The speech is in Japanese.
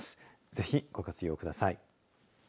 ぜひ、ご活用ください。